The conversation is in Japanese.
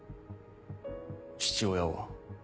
父親は？